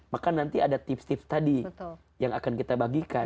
maka nanti ada tips tips tadi yang akan kita bagikan